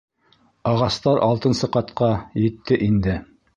Ағастар алтынсы ҡатҡа етте инде.